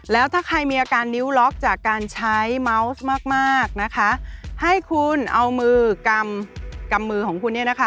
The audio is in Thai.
แล้วถ้าใครมีอาการนิ้วล็อกจากการใช้เมาส์มากมากนะคะให้คุณเอามือกำกำมือของคุณเนี่ยนะคะ